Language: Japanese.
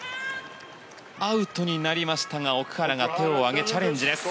アウトになりましたが奥原が手を上げチャレンジです。